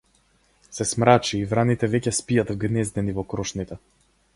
Се смрачи и враните веќе спијат вгнездени во крошните.